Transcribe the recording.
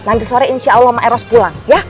nanti sore insyaallah sama eros pulang ya